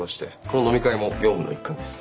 この飲み会も業務の一環です。